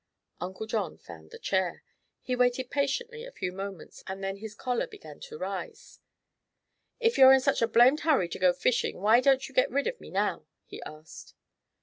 Uncle John found the chair. He waited patiently a few moments and then his choler began to rise. "If you're in such a blamed hurry to go fishing, why don't you get rid of me now?" he asked.